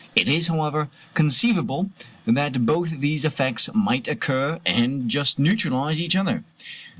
It is, however, conceivable that both these effects might occur and just neutralize each other.